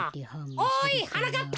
おいはなかっぱ。